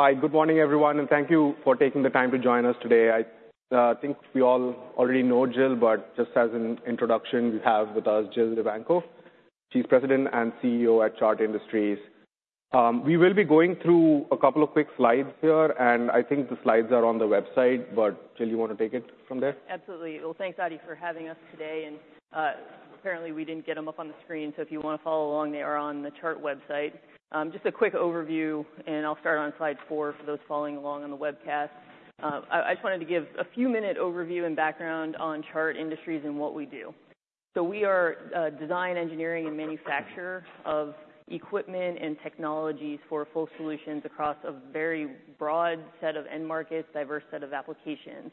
Hi, good morning, everyone, and thank you for taking the time to join us today. I think we all already know Jill, but just as an introduction, we have with us Jill Evanko, President and CEO at Chart Industries. We will be going through a couple of quick slides here, and I think the slides are on the website, but Jill, you want to take it from there? Absolutely. Well, thanks, Ati, for having us today, and apparently, we didn't get them up on the screen. So if you wanna follow along, they are on the Chart website. Just a quick overview, and I'll start on slide 4 for those following along on the webcast. I just wanted to give a few-minute overview and background on Chart Industries and what we do. So we are a design, engineering, and manufacturer of equipment and technologies for full solutions across a very broad set of end markets, diverse set of applications.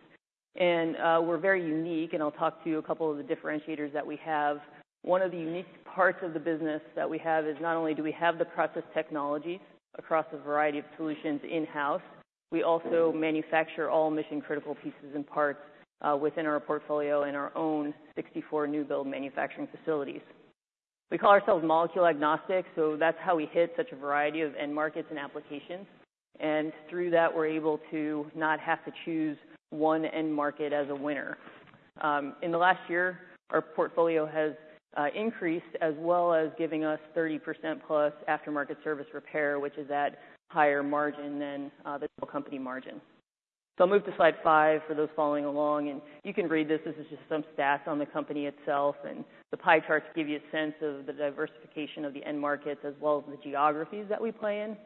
We're very unique, and I'll talk to you a couple of the differentiators that we have One of the unique parts of the business that we have is not only do we have the process technology across a variety of solutions in-house, we also manufacture all mission-critical pieces and parts within our portfolio in our own 64 new build manufacturing facilities. We call ourselves molecule agnostic, so that's how we hit such a variety of end markets and applications. Through that, we're able to not have to choose one end market as a winner. In the last year, our portfolio has increased, as well as giving us 30%+ aftermarket service repair, which is at higher margin than the total company margin. I'll move to slide 5 for those following along, and you can read this. This is just some stats on the company itself, and the pie charts give you a sense of the diversification of the end markets, as well as the geographies that we play in.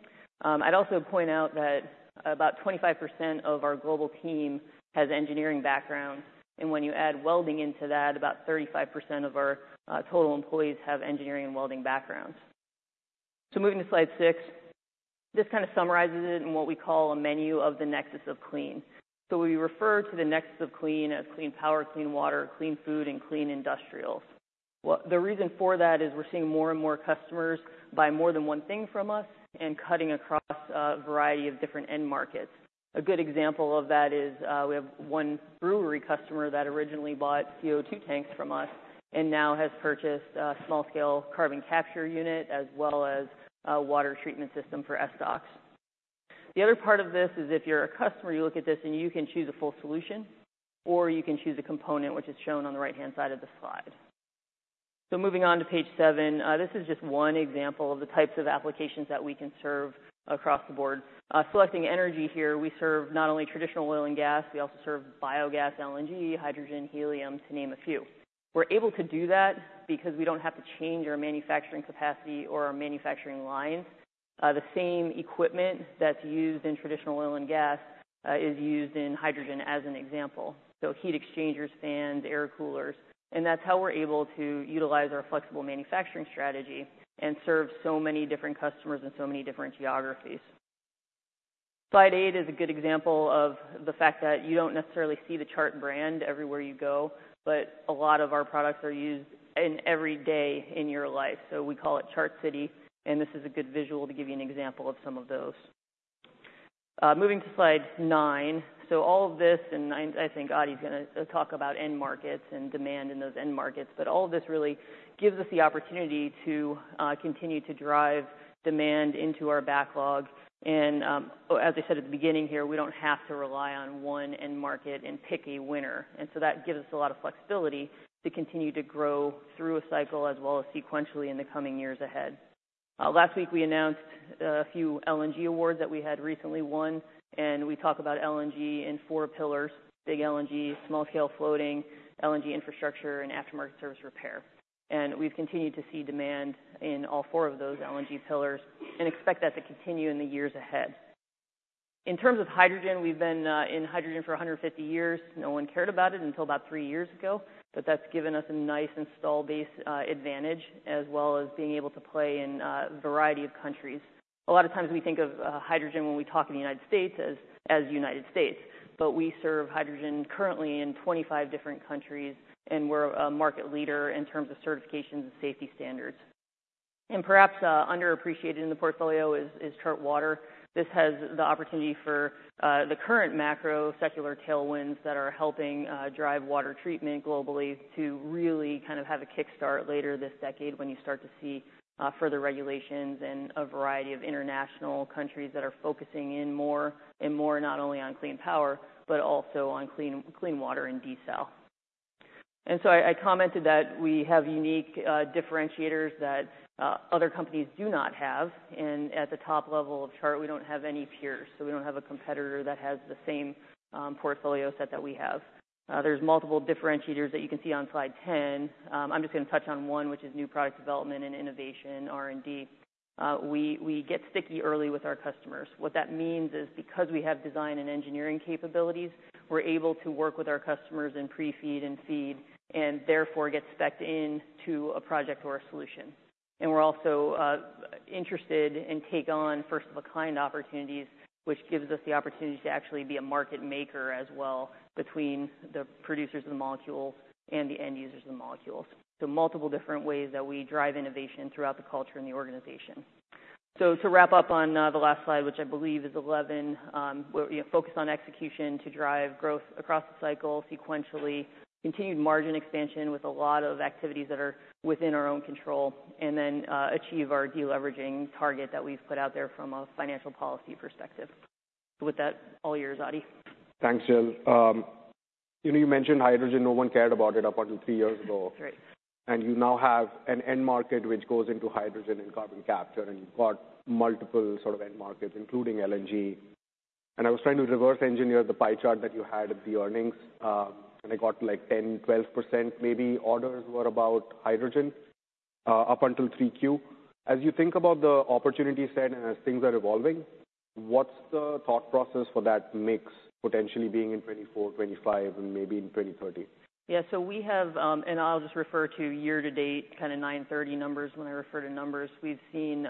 I'd also point out that about 25% of our global team has engineering background, and when you add welding into that, about 35% of our total employees have engineering and welding backgrounds. So moving to slide 6, this kind of summarizes it in what we call a menu of the Nexus of Clean. So we refer to the Nexus of Clean as Clean Power, Clean Water, Clean Food, and Clean Industrials. The reason for that is we're seeing more and more customers buy more than one thing from us and cutting across a variety of different end markets. A good example of that is, we have one brewery customer that originally bought CO2 tanks from us and now has purchased a small-scale carbon capture unit, as well as a water treatment system for SDOX. The other part of this is, if you're a customer, you look at this, and you can choose a full solution, or you can choose a component which is shown on the right-hand side of the slide. So moving on to page seven, this is just one example of the types of applications that we can serve across the board. Selecting energy here, we serve not only traditional oil and gas, we also serve biogas, LNG, hydrogen, helium, to name a few. We're able to do that because we don't have to change our manufacturing capacity or our manufacturing lines. The same equipment that's used in traditional oil and gas is used in hydrogen as an example. So heat exchangers, fans, air coolers, and that's how we're able to utilize our flexible manufacturing strategy and serve so many different customers in so many different geographies. Slide 8 is a good example of the fact that you don't necessarily see the Chart brand everywhere you go, but a lot of our products are used in everyday life. So we call it Chart City, and this is a good visual to give you an example of some of those. Moving to slide 9. So all of this, and I, I think Adi's gonna talk about end markets and demand in those end markets, but all of this really gives us the opportunity to continue to drive demand into our backlog. As I said at the beginning here, we don't have to rely on one end market and pick a winner. And so that gives us a lot of flexibility to continue to grow through a cycle as well as sequentially in the coming years ahead. Last week, we announced a few LNG awards that we had recently won, and we talk about LNG in 4 pillars, big LNG, small-scale floating, LNG infrastructure, and aftermarket service repair. And we've continued to see demand in all 4 of those LNG pillars and expect that to continue in the years ahead. In terms of hydrogen, we've been in hydrogen for 150 years. No one cared about it until about 3 years ago, but that's given us a nice installed base advantage, as well as being able to play in a variety of countries. A lot of times we think of hydrogen when we talk in the United States as the United States, but we serve hydrogen currently in 25 different countries, and we're a market leader in terms of certifications and safety standards. Perhaps underappreciated in the portfolio is Chart Water. This has the opportunity for the current macro secular tailwinds that are helping drive water treatment globally to really kind of have a kickstart later this decade when you start to see further regulations and a variety of international countries that are focusing in more and more, not only on clean power, but also on clean water and clean industrials. So I commented that we have unique differentiators that other companies do not have, and at the top level of Chart, we don't have any peers. So we don't have a competitor that has the same, portfolio set that we have. There's multiple differentiators that you can see on slide 10. I'm just gonna touch on one, which is new product development and innovation, R&D. We get sticky early with our customers. What that means is, because we have design and engineering capabilities, we're able to work with our customers in pre-FEED and FEED, and therefore, get spec'd into a project or a solution. And we're also, interested and take on first-of-a-kind opportunities, which gives us the opportunity to actually be a market maker as well, between the producers of the molecules and the end users of the molecules. So multiple different ways that we drive innovation throughout the culture and the organization. So to wrap up on the last slide, which I believe is 11, we're, you know, focused on execution to drive growth across the cycle sequentially, continued margin expansion with a lot of activities that are within our own control, and then achieve our deleveraging target that we've put out there from a financial policy perspective. With that, all yours, Ati. Thanks, Jill. You know, you mentioned hydrogen, no one cared about it up until three years ago. Right. You now have an end market which goes into hydrogen and carbon capture, and you've got multiple sort of end markets, including LNG. I was trying to reverse engineer the pie chart that you had at the earnings, and I got, like, 10-12%, maybe orders were about hydrogen, up until 3Q. As you think about the opportunity set and as things are evolving, what's the thought process for that mix potentially being in 2024, 2025, and maybe in 2030? Yeah, so we have, and I'll just refer to year-to-date, kind of, 9/30 numbers when I refer to numbers. We've seen,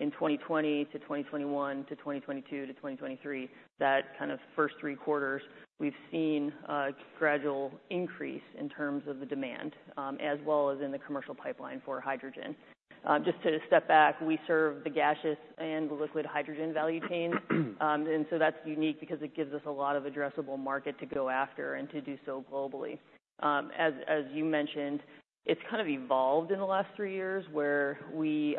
in 2020 to 2021 to 2022 to 2023, that kind of first three quarters, we've seen a gradual increase in terms of the demand, as well as in the commercial pipeline for hydrogen. Just to step back, we serve the gaseous and liquid hydrogen value chain. And so that's unique because it gives us a lot of addressable market to go after and to do so globally. As, as you mentioned, it's kind of evolved in the last three years, where we,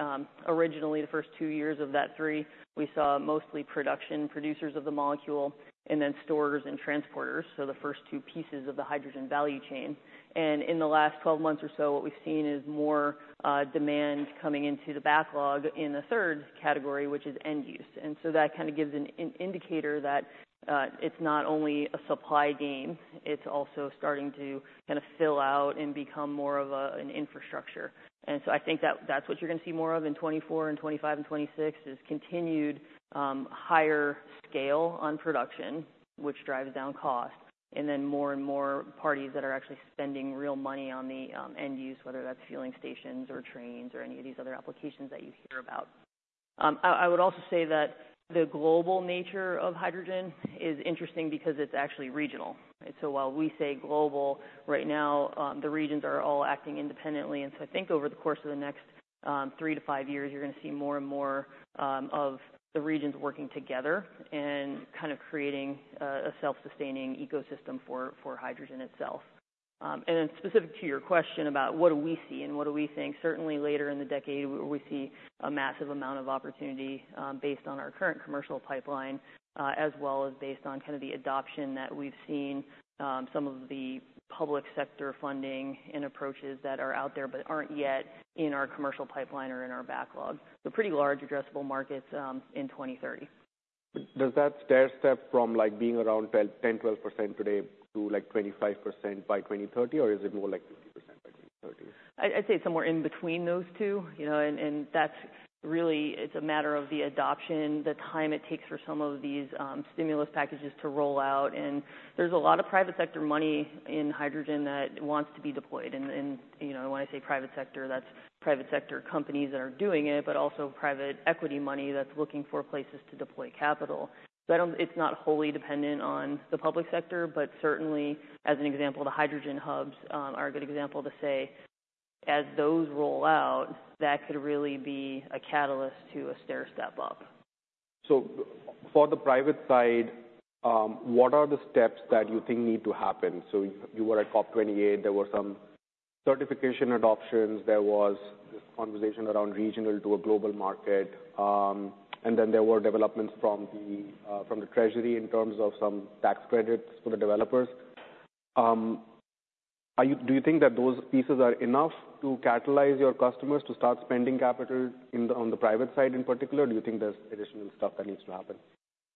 originally, the first two years of that three, we saw mostly production, producers of the molecule, and then storers and transporters, so the first two pieces of the hydrogen value chain. And in the last 12 months or so, what we've seen is more demand coming into the backlog in the third category, which is end use. And so that kind of gives an indicator that it's not only a supply game, it's also starting to kind of fill out and become more of a, an infrastructure. And so I think that's what you're going to see more of in 2024 and 2025 and 2026, is continued higher scale on production, which drives down cost, and then more and more parties that are actually spending real money on the end use, whether that's fueling stations or trains or any of these other applications that you hear about. I would also say that the global nature of hydrogen is interesting because it's actually regional. So while we say global, right now, the regions are all acting independently. So I think over the course of the next, three to five years, you're gonna see more and more, of the regions working together and kind of creating, a self-sustaining ecosystem for, for hydrogen itself. And then specific to your question about what do we see and what do we think, certainly later in the decade, we see a massive amount of opportunity, based on our current commercial pipeline, as well as based on kind of the adoption that we've seen, some of the public sector funding and approaches that are out there, but aren't yet in our commercial pipeline or in our backlog. So pretty large addressable markets, in 2030. Does that stair-step from, like, being around 10, 10, 12% today to, like, 25% by 2030, or is it more like 50% by 2030? I'd say it's somewhere in between those two. You know, and, and that's really, it's a matter of the adoption, the time it takes for some of these stimulus packages to roll out. And there's a lot of private sector money in hydrogen that wants to be deployed. And, and, you know, when I say private sector, that's private sector companies that are doing it, but also private equity money that's looking for places to deploy capital. So I don't- it's not wholly dependent on the public sector, but certainly as an example, the Hydrogen Hubs are a good example to say, as those roll out, that could really be a catalyst to a stair-step up. So for the private side, what are the steps that you think need to happen? So you were at COP28, there were some certification adoptions, there was this conversation around regional to a global market, and then there were developments from the treasury in terms of some tax credits for the developers. Do you think that those pieces are enough to catalyze your customers to start spending capital on the private side in particular, or do you think there's additional stuff that needs to happen?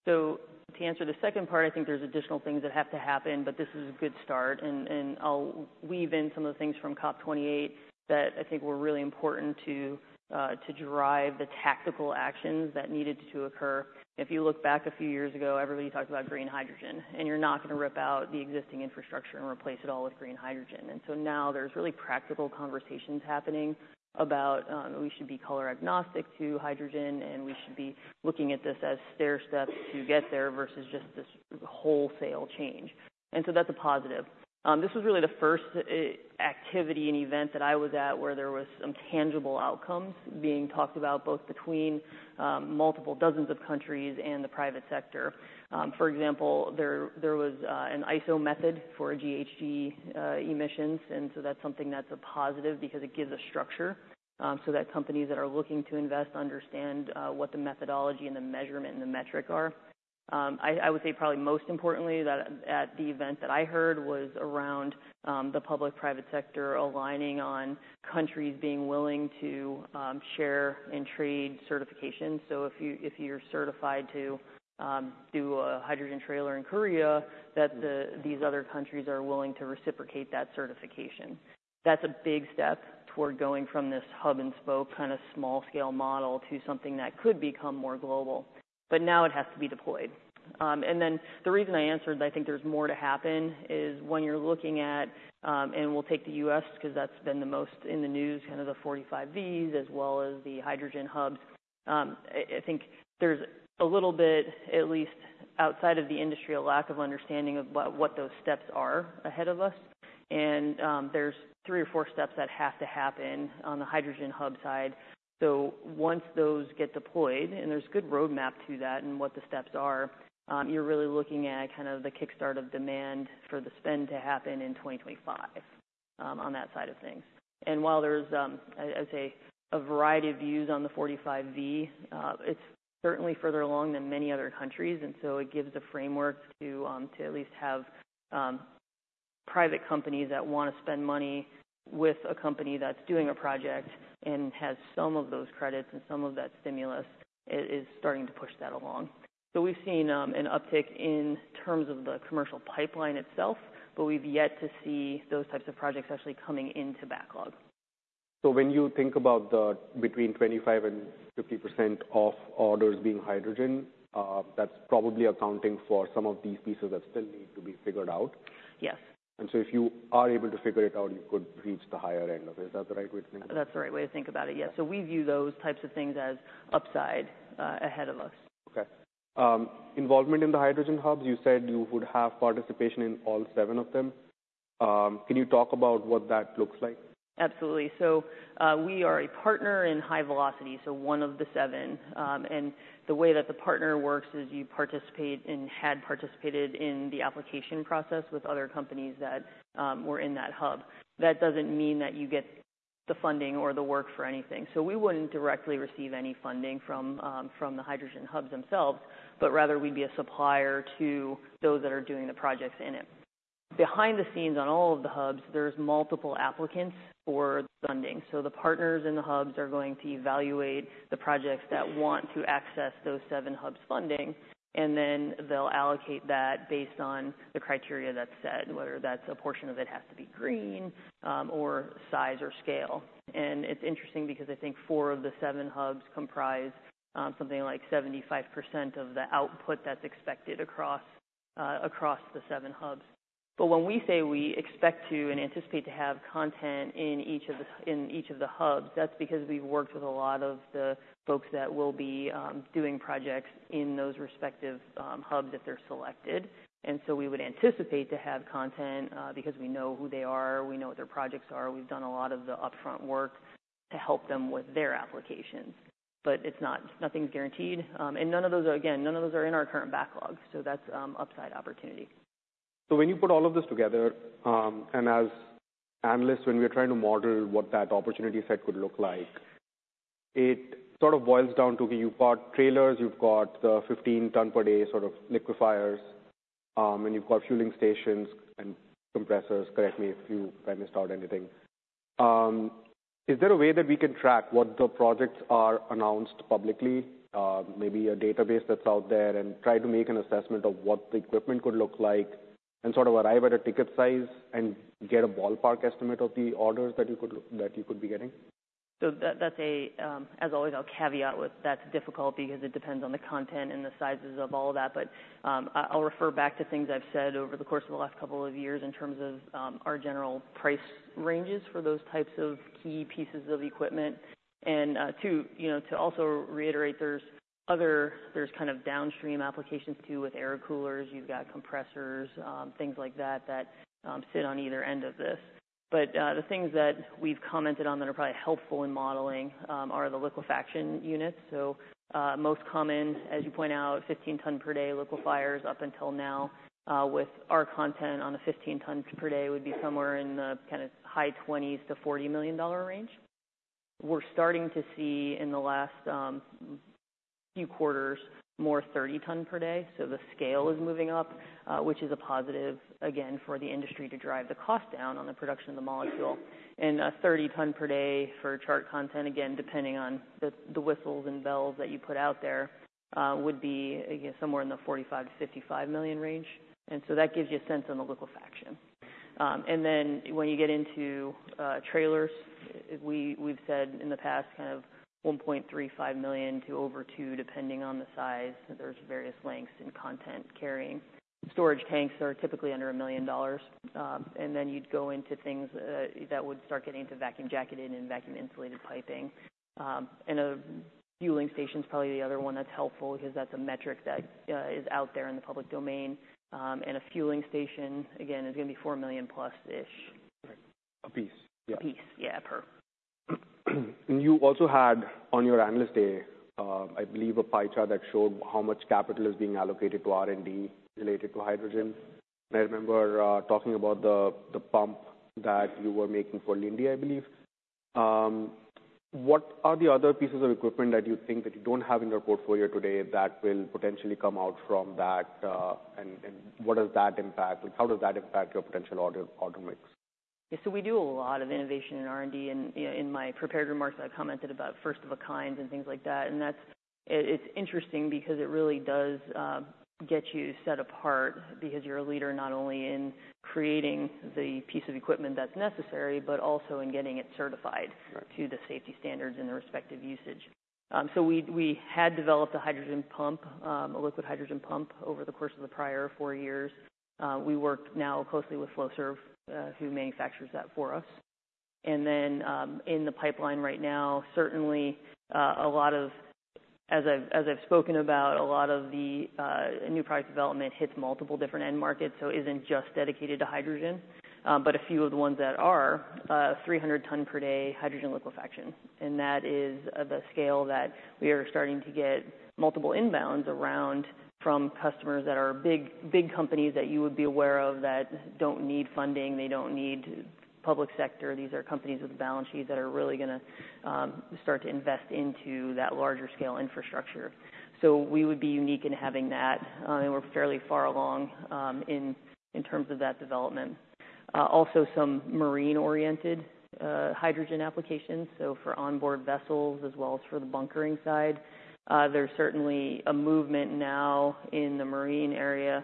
So to answer the second part, I think there's additional things that have to happen, but this is a good start, and, and I'll weave in some of the things from COP28 that I think were really important to, to drive the tactical actions that needed to occur. If you look back a few years ago, everybody talked about green hydrogen, and you're not gonna rip out the existing infrastructure and replace it all with green hydrogen. And so now there's really practical conversations happening about, we should be color agnostic to hydrogen, and we should be looking at this as stair-step to get there versus just this wholesale change. And so that's a positive. This was really the first activity and event that I was at where there was some tangible outcomes being talked about, both between multiple dozens of countries and the private sector. For example, there was an ISO method for GHG emissions, and so that's something that's a positive because it gives a structure so that companies that are looking to invest understand what the methodology and the measurement and the metric are. I would say probably most importantly, that at the event that I heard was around the public-private sector aligning on countries being willing to share and trade certification. So if you, if you're certified to do a hydrogen trailer in Korea, that these other countries are willing to reciprocate that certification. That's a big step toward going from this hub-and-spoke kind of small-scale model to something that could become more global. But now it has to be deployed. And then the reason I answered, I think there's more to happen, is when you're looking at, and we'll take the U.S., because that's been the most in the news, kind of the 45V, as well as the hydrogen hubs, I think there's a little bit, at least outside of the industry, a lack of understanding of what those steps are ahead of us. And, there's three or four steps that have to happen on the hydrogen hub side. So once those get deployed, and there's good roadmap to that and what the steps are, you're really looking at kind of the kickstart of demand for the spend to happen in 2025. on that side of things. And while there's, I'd say, a variety of views on the 45V, it's certainly further along than many other countries, and so it gives the framework to at least have private companies that wanna spend money with a company that's doing a project and has some of those credits and some of that stimulus. It is starting to push that along. So we've seen an uptick in terms of the commercial pipeline itself, but we've yet to see those types of projects actually coming into backlog. So when you think about the between 25%-50% of orders being hydrogen, that's probably accounting for some of these pieces that still need to be figured out? Yes. And so if you are able to figure it out, you could reach the higher end of it. Is that the right way to think? That's the right way to think about it, yes. So we view those types of things as upside, ahead of us. Okay. Involvement in the Hydrogen Hubs, you said you would have participation in all seven of them. Can you talk about what that looks like? Absolutely. So, we are a partner in HyVelocity Hub, so one of the seven. And the way that the partner works is you participate, and had participated in the application process with other companies that were in that hub. That doesn't mean that you get the funding or the work for anything. So we wouldn't directly receive any funding from- from the Hydrogen Hubs themselves, but rather we'd be a supplier to those that are doing the projects in it. Behind the scenes, on all of the hubs, there's multiple applicants for the funding. So the partners in the hubs are going to evaluate the projects that want to access those seven hubs' funding, and then they'll allocate that based on the criteria that's set, whether that's a portion of it has to be green, or size or scale. It's interesting because I think 4 of the 7 hubs comprise something like 75% of the output that's expected across the 7 hubs. But when we say we expect to and anticipate to have content in each of the hubs, that's because we've worked with a lot of the folks that will be doing projects in those respective hubs, if they're selected. And so we would anticipate to have content because we know who they are, we know what their projects are. We've done a lot of the upfront work to help them with their applications. But it's not... Nothing's guaranteed, and none of those are, again, in our current backlog, so that's upside opportunity. So when you put all of this together, and as analysts, when we are trying to model what that opportunity set could look like, it sort of boils down to be you've got trailers, you've got the 15 ton per day sort of liquefiers, and you've got fueling stations and compressors. Correct me if you, I missed out anything. Is there a way that we can track what the projects are announced publicly, maybe a database that's out there, and try to make an assessment of what the equipment could look like, and sort of arrive at a ticket size and get a ballpark estimate of the orders that you could be getting? So that's a, as always, I'll caveat with, that's difficult because it depends on the content and the sizes of all that. But I'll refer back to things I've said over the course of the last couple of years in terms of our general price ranges for those types of key pieces of equipment. And too, you know, to also reiterate, there's other, there's kind of downstream applications, too, with air coolers. You've got compressors, things like that, that sit on either end of this. But the things that we've commented on that are probably helpful in modeling are the liquefaction units. Most common, as you point out, 15 ton per day liquefiers up until now, with our content on a 15 ton per day, would be somewhere in the kind of high 20s-$40 million range. We're starting to see, in the last, few quarters, more 30 ton per day, so the scale is moving up, which is a positive, again, for the industry to drive the cost down on the production of the molecule. And a 30 ton per day for Chart content, again, depending on the, the whistles and bells that you put out there, would be, again, somewhere in the $45-$55 million range. And so that gives you a sense on the liquefaction. And then when you get into trailers, we, we've said in the past, kind of $1.35 million to over $2 million, depending on the size. There's various lengths and content carrying. Storage tanks are typically under $1 million. And then you'd go into things that would start getting into vacuum-jacketed and vacuum-insulated piping. And a fueling station is probably the other one that's helpful because that's a metric that is out there in the public domain. And a fueling station, again, is gonna be $4 million plus-ish. A piece? A piece, yeah, per. And you also had, on your Analyst Day, I believe a pie chart that showed how much capital is being allocated to R&D related to hydrogen. I remember talking about the pump that you were making for India, I believe. What are the other pieces of equipment that you think that you don't have in your portfolio today that will potentially come out from that, and what does that impact? Like, how does that impact your potential order mix? Yeah, so we do a lot of innovation in R&D, and, you know, in my prepared remarks, I commented about first of a kind and things like that. And that's... It, it's interesting because it really does get you set apart because you're a leader, not only in creating the piece of equipment that's necessary, but also in getting it certified- Right - to the safety standards and the respective usage. So we had developed a hydrogen pump, a liquid hydrogen pump, over the course of the prior 4 years. We work now closely with Flowserve, who manufactures that for us. And then, in the pipeline right now, certainly, as I've spoken about, a lot of the new product development hits multiple different end markets, so isn't just dedicated to hydrogen. But a few of the ones that are, 300 ton per day hydrogen liquefaction, and that is of a scale that we are starting to get multiple inbounds around from customers that are big, big companies that you would be aware of that don't need funding. They don't need public sector. These are companies with balance sheets that are really gonna start to invest into that larger scale infrastructure. So we would be unique in having that, and we're fairly far along in terms of that development. Also, some marine-oriented hydrogen applications, so for onboard vessels as well as for the bunkering side. There's certainly a movement now in the marine area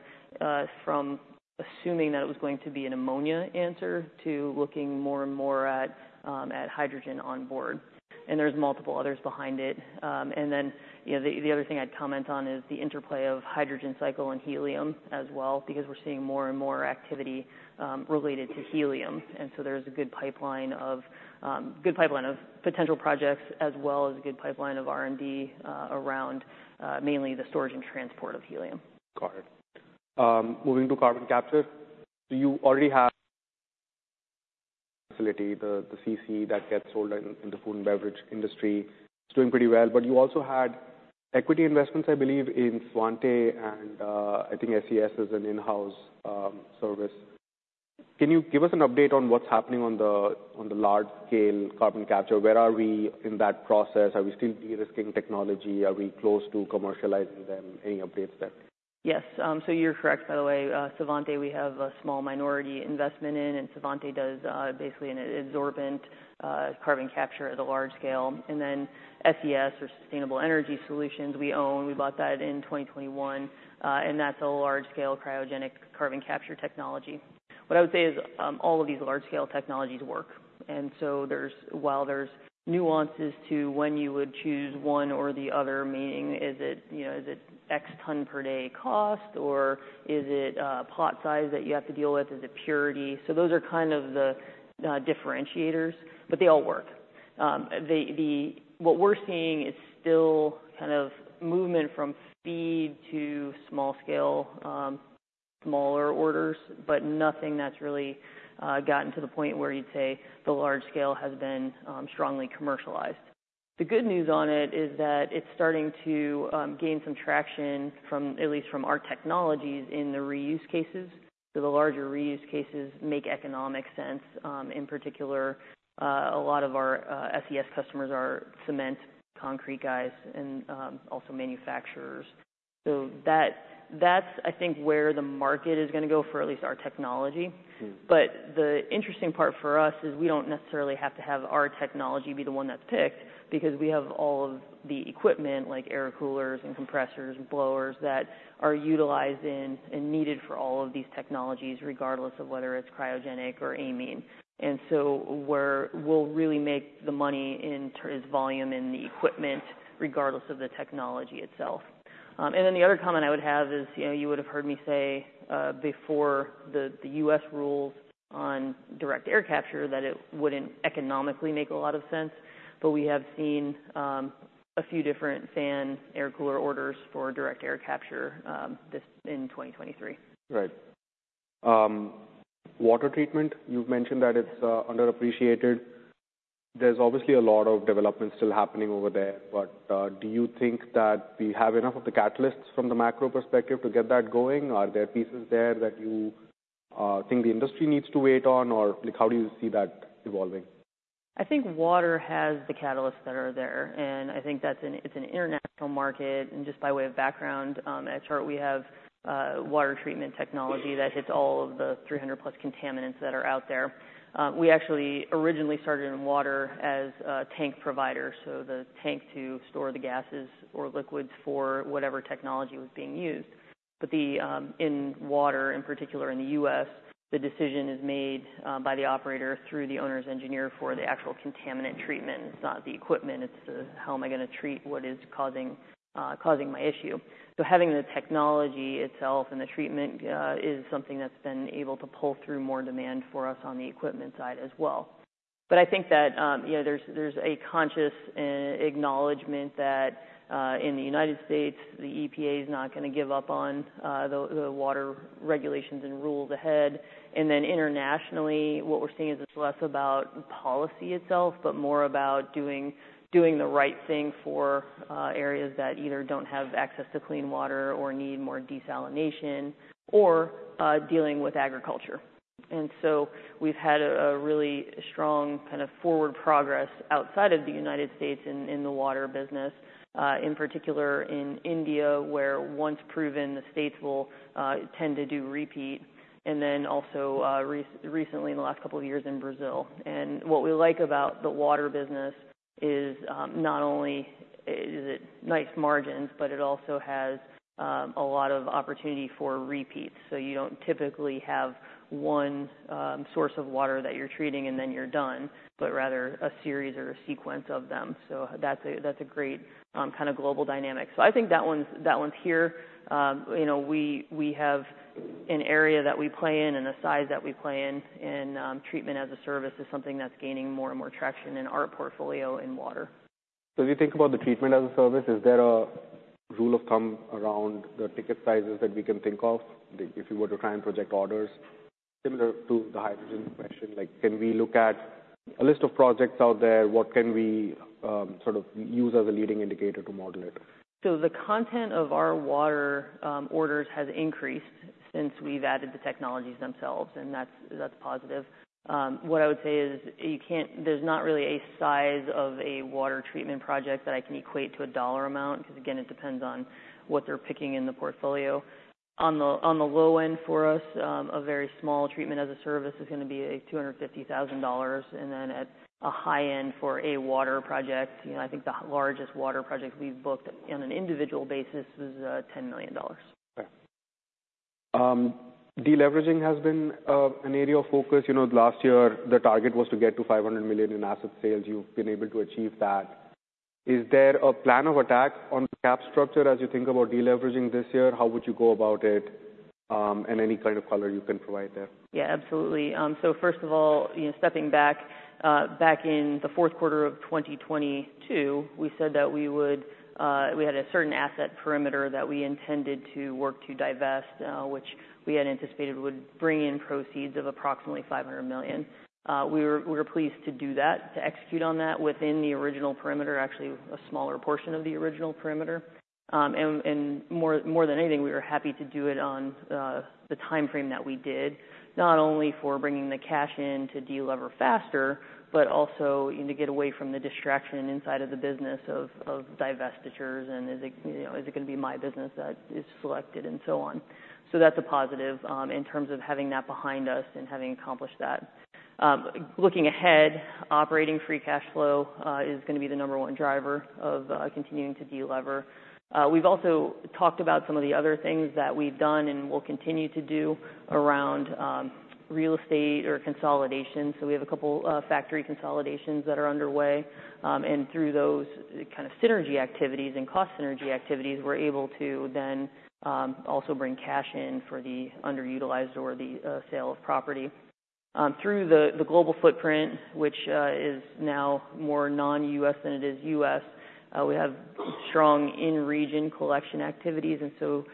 from assuming that it was going to be an ammonia answer to looking more and more at hydrogen on board, and there's multiple others behind it. And then, you know, the other thing I'd comment on is the interplay of hydrogen cycle and helium as well, because we're seeing more and more activity related to helium. And so there's a good pipeline of potential projects, as well as a good pipeline of R&D, around mainly the storage and transport of helium. Got it. Moving to carbon capture, do you already have facility, the, the CC that gets sold in, in the food and beverage industry? It's doing pretty well, but you also had equity investments, I believe, in Svante and, I think SES is an in-house, service. Can you give us an update on what's happening on the, on the large-scale carbon capture? Where are we in that process? Are we still de-risking technology? Are we close to commercializing them? Any updates there? Yes. So you're correct, by the way. Svante, we have a small minority investment in, and Svante does basically an absorbent carbon capture at a large scale. And then SES, or Sustainable Energy Solutions, we own. We bought that in 2021, and that's a large-scale cryogenic carbon capture technology. What I would say is, all of these large-scale technologies work, and so there's-- While there's nuances to when you would choose one or the other, meaning, is it, you know, is it X ton per day cost, or is it plot size that you have to deal with? Is it purity? So those are kind of the differentiators, but they all work. What we're seeing is still kind of movement from feed to small scale, smaller orders, but nothing that's really gotten to the point where you'd say the large scale has been strongly commercialized. The good news on it is that it's starting to gain some traction from, at least from our technologies in the reuse cases. So the larger reuse cases make economic sense. In particular, a lot of our SES customers are cement, concrete guys and also manufacturers. So that, that's I think, where the market is gonna go for at least our technology. Mm. But the interesting part for us is we don't necessarily have to have our technology be the one that's picked, because we have all of the equipment, like air coolers and compressors and blowers, that are utilized and, and needed for all of these technologies, regardless of whether it's cryogenic or amine. And so we'll really make the money in terms of volume and the equipment, regardless of the technology itself. And then the other comment I would have is, you know, you would have heard me say, before the, the U.S. rules on direct air capture, that it wouldn't economically make a lot of sense. But we have seen, a few different fan air cooler orders for direct air capture, just in 2023. Right. Water treatment, you've mentioned that it's underappreciated. There's obviously a lot of development still happening over there, but do you think that we have enough of the catalysts from the macro perspective to get that going? Are there pieces there that you think the industry needs to wait on? Or, like, how do you see that evolving? I think water has the catalysts that are there, and I think that's an international market. Just by way of background, at Chart, we have water treatment technology that hits all of the 300+ contaminants that are out there. We actually originally started in water as a tank provider, so the tank to store the gases or liquids for whatever technology was being used. But in water, in particular in the U.S., the decision is made by the operator through the owner's engineer for the actual contaminant treatment. It's not the equipment, it's the, "How am I gonna treat what is causing my issue?" So having the technology itself and the treatment is something that's been able to pull through more demand for us on the equipment side as well. But I think that, you know, there's a conscious acknowledgement that in the United States, the EPA is not gonna give up on the water regulations and rules ahead. And then internationally, what we're seeing is it's less about policy itself, but more about doing the right thing for areas that either don't have access to clean water or need more desalination or dealing with agriculture. And so we've had a really strong kind of forward progress outside of the United States in the water business, in particular in India, where once proven, the states will tend to do repeat, and then also recently, in the last couple of years, in Brazil. What we like about the water business is, not only is it nice margins, but it also has a lot of opportunity for repeats. So you don't typically have one source of water that you're treating and then you're done, but rather a series or a sequence of them. So that's a, that's a great kind of global dynamic. So I think that one's, that one's here. You know, we, we have an area that we play in and a size that we play in, in Treatment-as-a-Service is something that's gaining more and more traction in our portfolio in water. If you think about the Treatment-as-a-Service, is there a rule of thumb around the ticket sizes that we can think of, if you were to try and project orders similar to the hydrogen question, like, can we look at a list of projects out there? What can we sort of use as a leading indicator to model it? So the content of our water orders has increased since we've added the technologies themselves, and that's, that's positive. What I would say is you can't—there's not really a size of a water treatment project that I can equate to a dollar amount, because, again, it depends on what they're picking in the portfolio. On the low end for us, a very small treatment as a service is gonna be $250,000, and then at a high end for a water project, you know, I think the largest water project we've booked on an individual basis is $10 million. Okay. Deleveraging has been an area of focus. You know, last year, the target was to get to $500 million in asset sales. You've been able to achieve that. Is there a plan of attack on the cap structure as you think about deleveraging this year? How would you go about it? And any kind of color you can provide there. Yeah, absolutely. So first of all, you know, stepping back, back in the fourth quarter of 2022, we said that we would, we had a certain asset perimeter that we intended to work to divest, which we had anticipated would bring in proceeds of approximately $500 million. We were pleased to do that, to execute on that within the original perimeter, actually a smaller portion of the original perimeter. And, more than anything, we were happy to do it on the timeframe that we did, not only for bringing the cash in to delever faster, but also, you know, to get away from the distraction inside of the business of divestitures. And is it, you know, is it gonna be my business that is selected and so on? So that's a positive, in terms of having that behind us and having accomplished that. Looking ahead, operating free cash flow is gonna be the number one driver of continuing to delever. We've also talked about some of the other things that we've done and will continue to do around real estate or consolidation. So we have a couple factory consolidations that are underway. And through those kind of synergy activities and cost synergy activities, we're able to then also bring cash in for the underutilized or the sale of property. Through the global footprint, which is now more non-U.S. than it is U.S., we have strong in-region collection activities, and so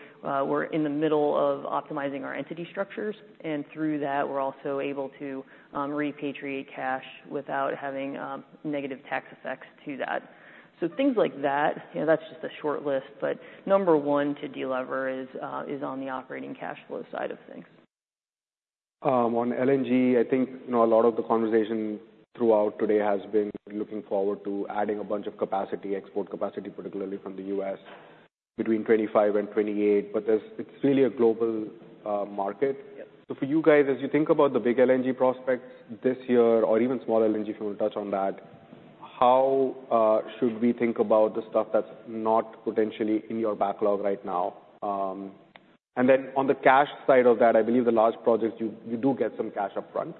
we're in the middle of optimizing our entity structures, and through that, we're also able to repatriate cash without having negative tax effects to that. So things like that, you know, that's just a short list, but number one, to delever is on the operating cash flow side of things. On LNG, I think, you know, a lot of the conversation throughout today has been looking forward to adding a bunch of capacity, export capacity, particularly from the U.S., between 25 and 28, but it's really a global market. Yes. So for you guys, as you think about the big LNG prospects this year or even small LNG, if you want to touch on that, how should we think about the stuff that's not potentially in your backlog right now? And then on the cash side of that, I believe the large projects, you, you do get some cash upfront.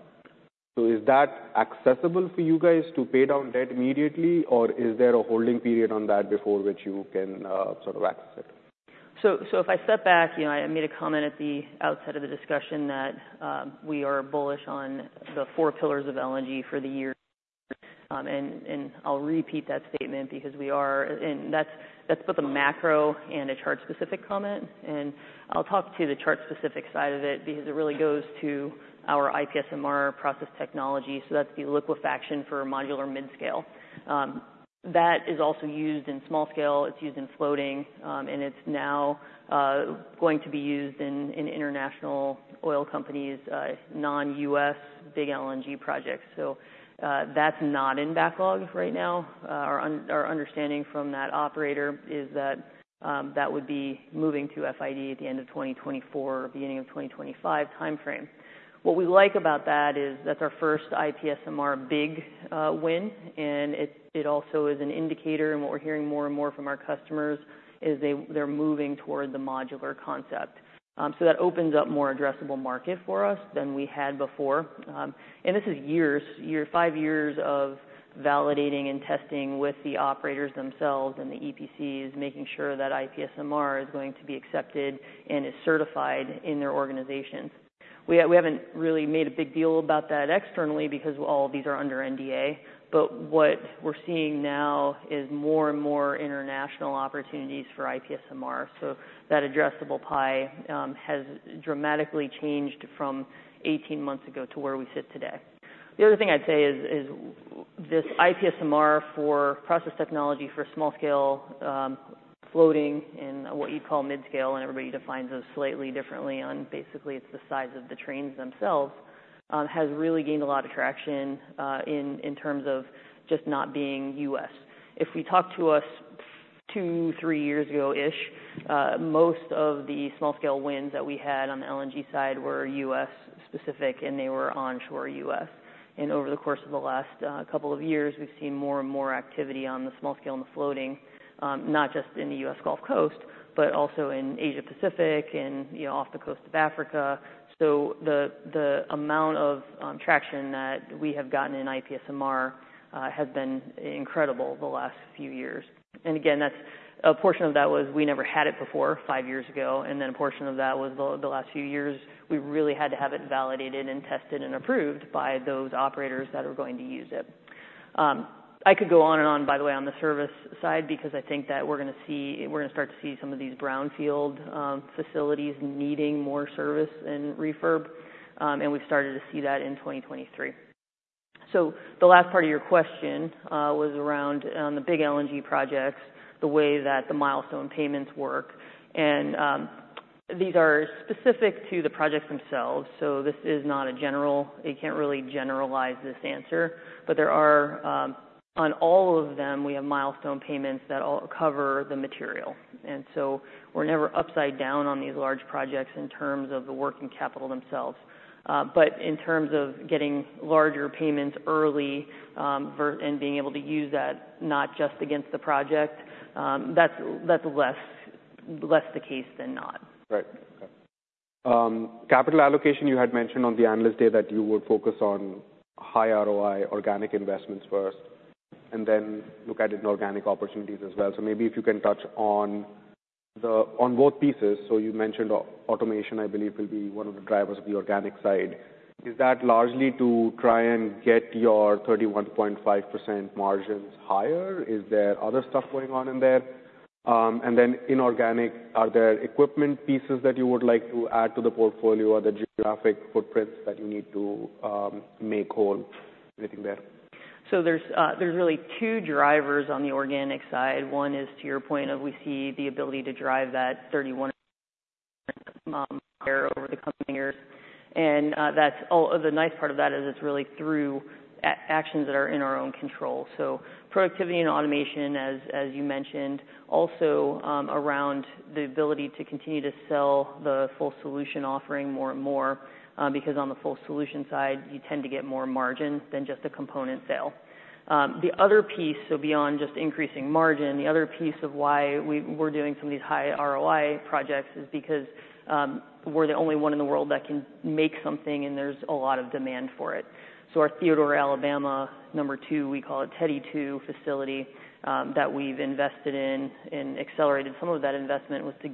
So is that accessible for you guys to pay down debt immediately, or is there a holding period on that before which you can sort of access it? So if I step back, you know, I made a comment at the outset of the discussion that we are bullish on the four pillars of LNG for the year. And I'll repeat that statement because we are. And that's both a macro and a Chart-specific comment. And I'll talk to the Chart-specific side of it because it really goes to our IPSMR process technology. So that's the liquefaction for modular mid-scale. That is also used in small-scale, it's used in floating, and it's now going to be used in international oil companies, non-US big LNG projects. So that's not in backlog right now. Our understanding from that operator is that that would be moving to FID at the end of 2024, beginning of 2025 timeframe. What we like about that is that's our first IPSMR-big win, and it also is an indicator, and what we're hearing more and more from our customers is they're moving toward the modular concept. So that opens up more addressable market for us than we had before. And this is five years of validating and testing with the operators themselves and the EPCs, making sure that IPSMR is going to be accepted and is certified in their organizations. We haven't really made a big deal about that externally because all of these are under NDA, but what we're seeing now is more and more international opportunities for IPSMR. So that addressable pie has dramatically changed from 18 months ago to where we sit today. The other thing I'd say is this IPSMR for process technology, for small-scale, floating and what you'd call mid-scale, and everybody defines those slightly differently, basically it's the size of the trains themselves, has really gained a lot of traction in terms of just not being U.S. If we talked two to three years ago-ish, most of the small-scale wins that we had on the LNG side were U.S.-specific, and they were onshore U.S. And over the course of the last couple of years, we've seen more and more activity on the small-scale and the floating, not just in the U.S. Gulf Coast, but also in Asia Pacific and, you know, off the coast of Africa. So the amount of traction that we have gotten in IPSMR has been incredible the last few years. And again, that's a portion of that was we never had it before 5 years ago, and then a portion of that was the last few years, we really had to have it validated and tested and approved by those operators that are going to use it. I could go on and on, by the way, on the service side, because I think that we're gonna see, we're gonna start to see some of these brownfield facilities needing more service and refurb, and we've started to see that in 2023. So the last part of your question was around the big LNG projects, the way that the milestone payments work. These are specific to the projects themselves, so this is not a general... You can't really generalize this answer, but there are, on all of them, we have milestone payments that all cover the material. And so we're never upside down on these large projects in terms of the working capital themselves. But in terms of getting larger payments early, and being able to use that, not just against the project, that's less the case than not. Right. Okay. Capital allocation, you had mentioned on the Analyst Day that you would focus on high ROI organic investments first and then look at inorganic opportunities as well. So maybe if you can touch on on both pieces. So you mentioned automation, I believe, will be one of the drivers of the organic side. Is that largely to try and get your 31.5% margins higher? Is there other stuff going on in there? And then inorganic, are there equipment pieces that you would like to add to the portfolio or the geographic footprints that you need to make whole? Anything there. So there's really two drivers on the organic side. One is, to your point, of we see the ability to drive that 31 higher over the coming years. And that's all the nice part of that is it's really through actions that are in our own control. So productivity and automation, as you mentioned, also around the ability to continue to sell the full solution offering more and more, because on the full solution side, you tend to get more margin than just a component sale. The other piece, so beyond just increasing margin, the other piece of why we're doing some of these high-ROI projects is because we're the only one in the world that can make something, and there's a lot of demand for it. So our Theodore, Alabama, number two, we call it Teddy Two facility, that we've invested in and accelerated some of that investment, was to.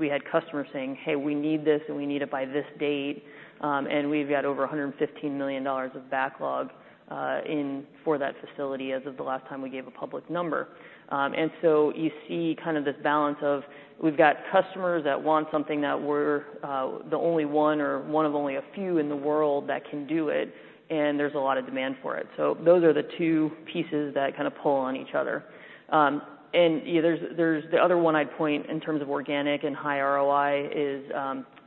We had customers saying, "Hey, we need this, and we need it by this date." And we've got over $115 million of backlog in for that facility as of the last time we gave a public number. And so you see kind of this balance of we've got customers that want something that we're the only one or one of only a few in the world that can do it, and there's a lot of demand for it. So those are the two pieces that kind of pull on each other. You know, there's the other one I'd point in terms of organic and high ROI is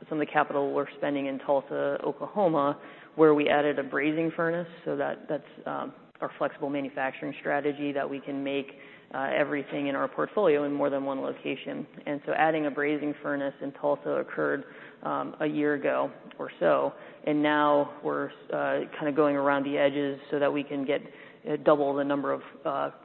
some of the capital we're spending in Tulsa, Oklahoma, where we added a brazing furnace so that's our flexible manufacturing strategy, that we can make everything in our portfolio in more than one location. And so adding a brazing furnace in Tulsa occurred a year ago or so, and now we're kind of going around the edges so that we can get double the number of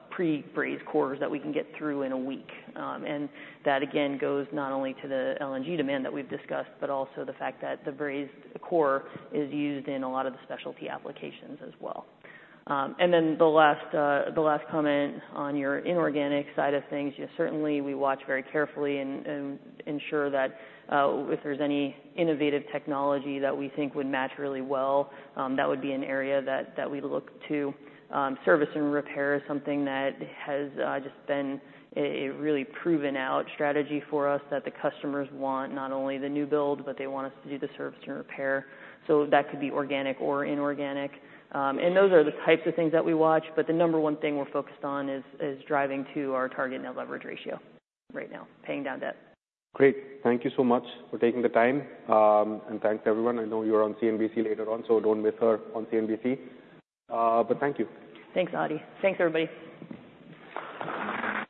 pre-brazed cores that we can get through in a week. And that, again, goes not only to the LNG demand that we've discussed, but also the fact that the brazed core is used in a lot of the specialty applications as well. And then the last, the last comment on your inorganic side of things, yes, certainly, we watch very carefully and, and ensure that, if there's any innovative technology that we think would match really well, that would be an area that, that we look to. Service and repair is something that has, just been a really proven out strategy for us, that the customers want not only the new build, but they want us to do the service and repair. So that could be organic or inorganic. And those are the types of things that we watch, but the number one thing we're focused on is driving to our target net leverage ratio right now, paying down debt. Great. Thank you so much for taking the time. Thanks, everyone. I know you're on CNBC later on, so don't miss her on CNBC. Thank you. Thanks, Ati. Thanks, everybody.